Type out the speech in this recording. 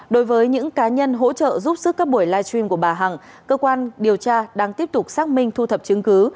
đối với những cá nhân hỗ trợ giúp sức các buổi live stream của bà hằng cơ quan điều tra đang tiếp tục xác minh thu thập chứng cứ